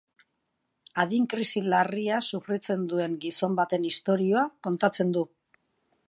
Adin krisi larria sufritzen duen gizon baten istorioa kontatzen du.